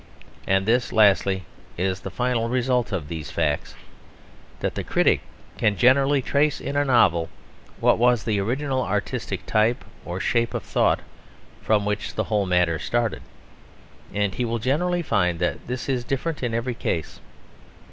And this, lastly, is the final result of these facts, that the critic can generally trace in a novel what was the original artistic type or shape of thought from which the whole matter started, and he will generally find that this is different in every case.